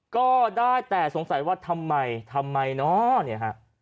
ก็ได้แต่สงสัยว่าทำไมทำไมเนาะเนี่ยฮะ